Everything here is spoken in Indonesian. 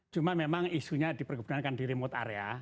cuma memang isunya di perkebunan kan di remote area